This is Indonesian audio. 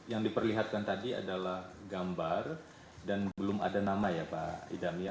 yang diperlihatkan tadi adalah gambar dan belum ada nama ya pak idam ya